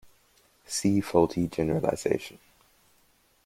See faulty generalization.